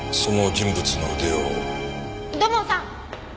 土門さん！